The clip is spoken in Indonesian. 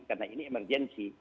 karena ini emergency